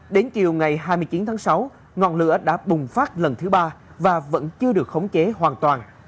đến chiều ngày hai mươi chín tháng sáu ngọn lửa đã bùng phát lần thứ ba và vẫn chưa được khống chế hoàn toàn